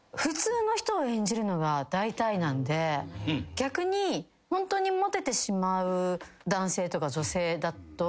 逆にホントにモテてしまう男性とか女性だと。